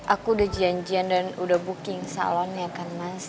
aku udah janjian dan udah booking salonnya kan mas